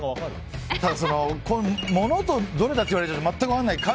物とどれだって言われると全く分からない。